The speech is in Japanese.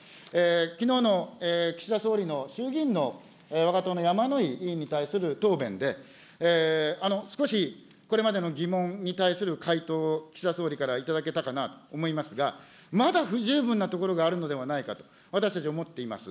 きのうの岸田総理の、衆議院のわが党の山井議員に対する答弁で、少しこれまでの疑問に対する回答を岸田総理からいただけたかなと思いますが、まだ不十分なところがあるのではないかと私どもは思っています。